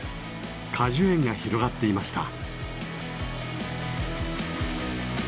果樹園が広がっていました。